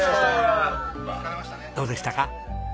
どうでしたか？